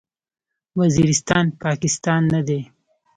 وزیرستان، پاکستان نه دی.